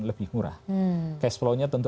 lebih murah cash flow nya tentu